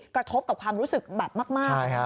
กระทบกับความรู้สึกแบบมาก